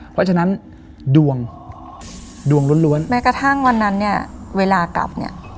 เพราะฉะนั้นดวงดวงล้วนแม้กระทั่งวันนั้นเนี่ยเวลากลับเนี่ย